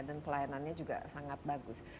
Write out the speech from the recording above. dan pelayanannya juga sangat bagus